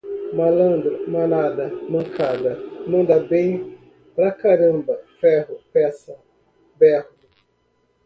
malandro, manada, mancada, manda bem pra caramba, ferro, peça, berro